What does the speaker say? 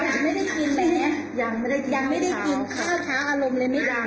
ยังไม่ได้กินแบบนี้ยังไม่ได้กินข้าวข้าวอารมณ์ในนิดหนึ่ง